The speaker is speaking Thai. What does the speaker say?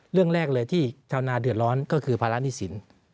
เรื่องแรกเลยที่ชาวนาเดือดร้อนก็คือภาระหนี้สิน